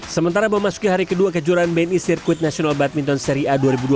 sementara memasuki hari kedua kejuaraan bni sirkuit nasional badminton seri a dua ribu dua puluh